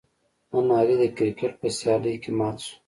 نن علي د کرکیټ په سیالۍ کې مات شو.